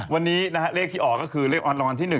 วันนี้เลขที่ออกก็คือเลขรางวัลที่๑